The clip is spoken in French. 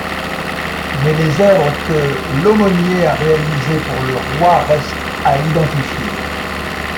Mais les œuvres que Laumosnier a réalisées pour le roi restent à identifier.